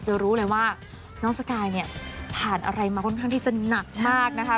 รู้เลยว่าน้องสกายเนี่ยผ่านอะไรมาค่อนข้างที่จะหนักมากนะคะ